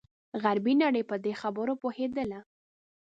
غربي نړۍ په دې خبره پوهېدله.